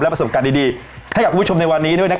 ประสบการณ์ดีให้กับคุณผู้ชมในวันนี้ด้วย